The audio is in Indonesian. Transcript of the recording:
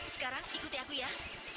sekarang ikuti aku yah